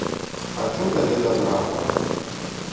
- Хачу табе дабра.